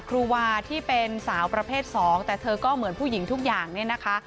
ครูวาที่เป็นสาวประเภทสองแต่เธอก็เหมือนผู้หญิงทุกอย่างเนี่ยนะคะ